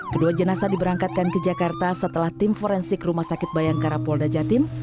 kedua jenazah diberangkatkan ke jakarta setelah tim forensik rumah sakit bayangkara polda jatim